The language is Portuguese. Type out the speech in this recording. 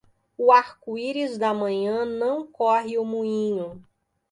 O arco-íris da manhã não corre o moinho.